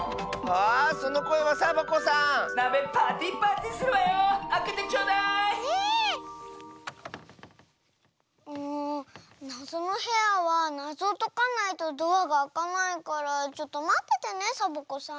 でもなぞのへやはなぞをとかないとドアがあかないからちょっとまっててねサボ子さん。